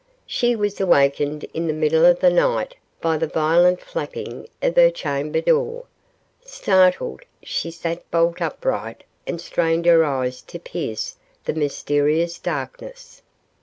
She was awakened in the middle of the night by the violent flapping of her chamber door. Startled, she sat bolt upright and strained her eyes to pierce the mysterious darkness.